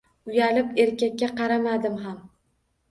Uyalib erkakka qaramadim ham.